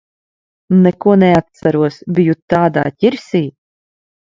Neko neatceros. Biju tādā ķirsī.